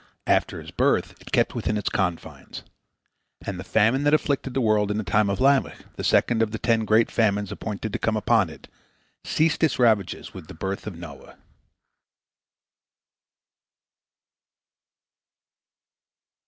After his birth it kept within its confines. And the famine that afflicted the world in the time of Lamech, the second of the ten great famines appointed to come upon it, ceased its ravages with the birth of Noah.